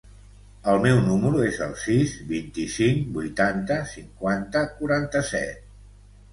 El meu número es el sis, vint-i-cinc, vuitanta, cinquanta, quaranta-set.